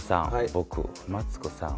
僕マツコさん